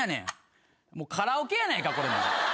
カラオケやないかこれ！